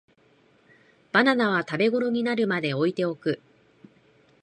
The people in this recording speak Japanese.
バナナは食べごろになるまで置いておく